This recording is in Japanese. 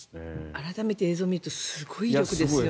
改めて映像を見るとすごい威力ですよね。